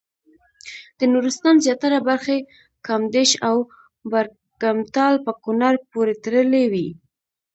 د نورستان زیاتره برخې کامدېش او برګمټال په کونړ پورې تړلې وې.